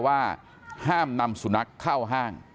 ว่าห้ามนำสุนัขเข้าห้าง